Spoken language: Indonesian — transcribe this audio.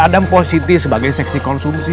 adam positif sebagai seksi konsumsi